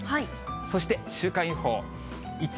そして週間予報。